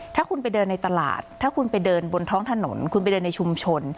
ถ้าคุณไปเดินในตลาดถ้าคุณไปเดินบนท้องถนนคุณไปเดินในชุมชน